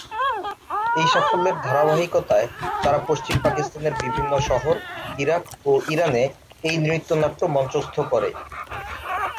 এই সাফল্যের ধারাবাহিকতায় তারা পশ্চিম পাকিস্তানের বিভিন্ন শহর, ইরাক ও ইরানে এই নৃত্যনাট্য মঞ্চস্থ করে।